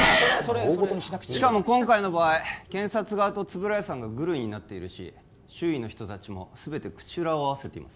大ごとにしなくていいからしかも今回の場合検察側と円谷さんがグルになっているし周囲の人達も全て口裏を合わせています